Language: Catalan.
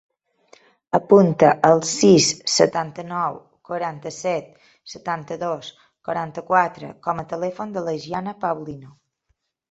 Apunta el sis, setanta-nou, quaranta-set, setanta-dos, quaranta-quatre com a telèfon de la Gianna Paulino.